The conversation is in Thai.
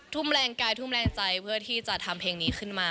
แรงกายทุ่มแรงใจเพื่อที่จะทำเพลงนี้ขึ้นมา